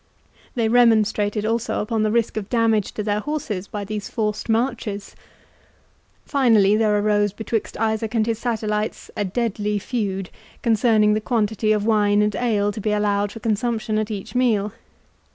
They remonstrated also upon the risk of damage to their horses by these forced marches. Finally, there arose betwixt Isaac and his satellites a deadly feud, concerning the quantity of wine and ale to be allowed for consumption at each meal.